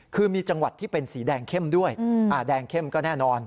คือมีจังหวัดที่เป็นสีแดงเข้มด้วยแดงเข้มก็แน่นอน